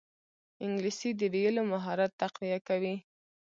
انګلیسي د ویلو مهارت تقویه کوي